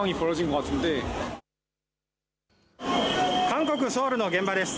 韓国・ソウルの現場です。